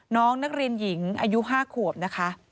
น้องนักเรียนหญิงอายุ๕ขวบนะคะ